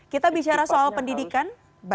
kita bicara soal pendidikan